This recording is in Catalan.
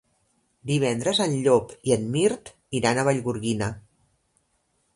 Divendres en Llop i en Mirt iran a Vallgorguina.